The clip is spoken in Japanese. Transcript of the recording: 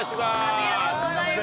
ありがとうございます。